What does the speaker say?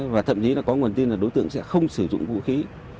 và thậm chí là có nguồn tin là đối tượng sẽ không sử dụng vũ khí